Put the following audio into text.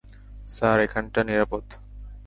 Sir, এখানটা নিরাপদ।